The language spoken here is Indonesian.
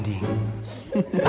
tuhan yang berkata